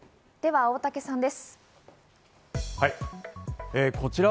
では、大竹さんです。